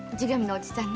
「おじさん